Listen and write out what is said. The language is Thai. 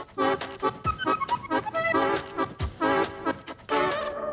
ป๊าดมั้ง